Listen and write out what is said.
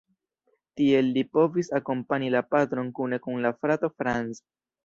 Tiel li povis akompani la patron kune kun la frato Franz.